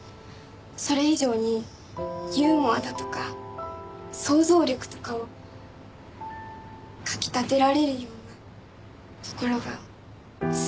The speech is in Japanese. それ以上にユーモアだとか想像力とかをかき立てられるようなところがすごいなって思うんですけど。